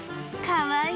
かわいい！